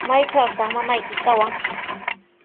¿Maytrawtaq mamayki kawan?